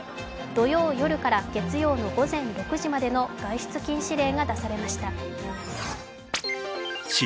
土曜夜から月曜の午前６時までの外出禁止令が出されました。